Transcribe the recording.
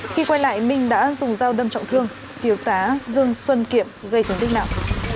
khi quay lại minh đã dùng dao đâm trọng thương thiếu tá dương xuân kiệm gây thương tích nặng